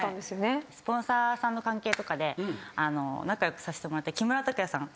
スポンサーさんの関係とかで仲良くさせてもらった。